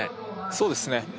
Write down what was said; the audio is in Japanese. そうですね